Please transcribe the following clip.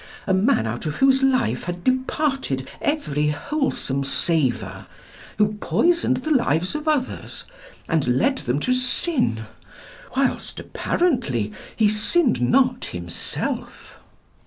A man out of whose life had departed every wholesome savour, who poisoned the lives of others, and led them to sin, whilst, apparently, he sinned not himself.